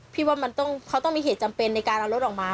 พี่ว่ามันเขาต้องมีเหตุจำเป็นในการเอารถออกมา